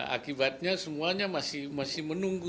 akibatnya semuanya masih menunggu